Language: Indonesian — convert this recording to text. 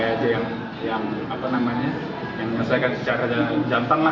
yang apa namanya yang menyesuaikan secara jantanlah ada dia gitu terus ayah saya gak